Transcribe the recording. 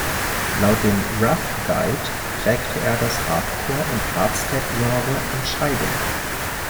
Laut dem "Rough Guide" prägte er das Hardcore- und Hardstep-Genre entscheidend.